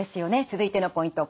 続いてのポイント